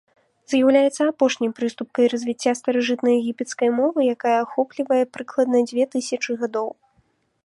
З'яўляецца апошняй прыступкай развіцця старажытнаегіпецкай мовы, якая ахоплівае прыкладна дзве тысячы гадоў.